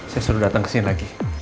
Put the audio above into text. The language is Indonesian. saya suruh datang kesini lagi